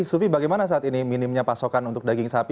sufi bagaimana saat ini minimnya pasokan untuk daging sapi